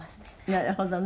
なるほどね。